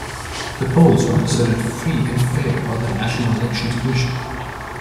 The polls were considered free and fair by the National Elections Commission.